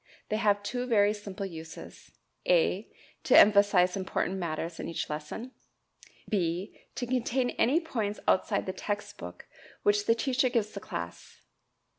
They have two very simple uses (a) to emphasize important matters in each lesson; (b) to contain any points outside the text book which the teacher gives the class.